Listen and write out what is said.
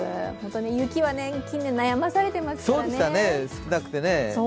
雪は近年、少なくて悩まされてますからね。